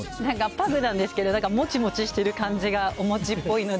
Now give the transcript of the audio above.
パグなんですけど、もちもちしてる感じがおもちっぽいので。